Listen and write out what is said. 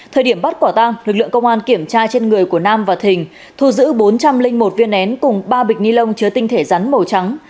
thời điểm bắt quả tang lực lượng công an kiểm tra trên người của nam và thình thu giữ bốn trăm linh một viên nén cùng ba bịch ni lông chứa tinh thể rắn màu trắng